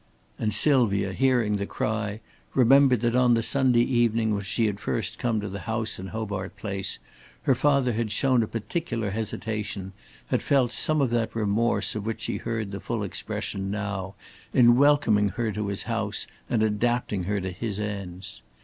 And Sylvia, hearing the cry, remembered that on the Sunday evening when she had first come to the house in Hobart Place, her father had shown a particular hesitation, had felt some of that remorse of which she heard the full expression now, in welcoming her to his house and adapting her to his ends.